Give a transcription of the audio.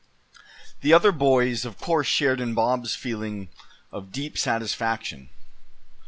THE other boys of course shared in Bob's deep feeling of satisfaction.